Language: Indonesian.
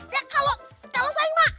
ya kalau kalah saing mah